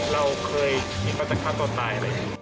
เราเคยคิดว่าจะฆ่าตัวตายอะไรอย่างนี้